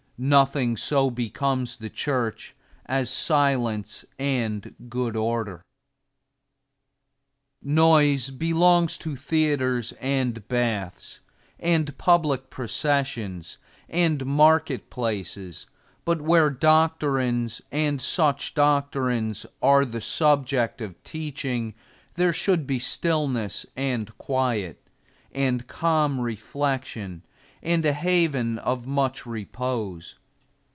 Nothing so becomes the church as silence and good order. Noise belongs to the theaters, and baths, and public processions, and market places; but where doctrines, and such doctrines, are the subject of teaching, there should be stillness and quiet, and calm reflection, and a haven of much repose.